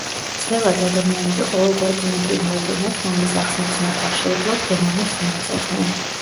ძველად ადამიანები ყოველგვარ ბუნებრივ მოვლენას, რომლის ახსნაც მათ არ შეეძლოთ, დემონებს მიაწერდნენ.